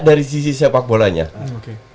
dari sisi sepak bolanya oke